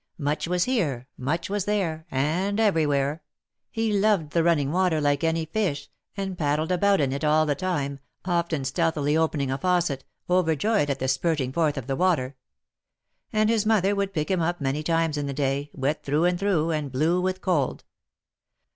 Much was here, Much was there and everywhere ; he loved the running water like any fish, and paddled about in it all the time, often stealthily opening a faucet, overjoyed at the spurting forth of the water ; and his mother would pick him up many times in the day, wet through and through, and blue with cold.